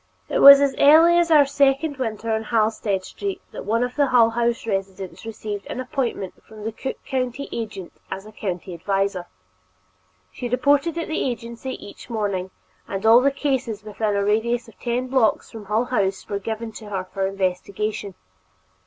It was as early as our second winter on Halsted Street that one of the Hull House residents received an appointment from the Cook County agent as a county visitor. She reported at the agency each morning, and all the cases within a radius of ten blocks from Hull House were given to her for investigation.